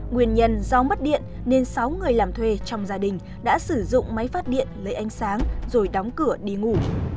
nguyên nhân do mất điện nên sáu người làm thuê trong gia đình đã sử dụng máy phát điện lấy ánh sáng rồi đóng cửa đi ngủ